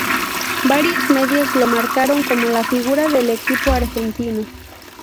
Varios medios lo marcaron como la figura del equipo argentino.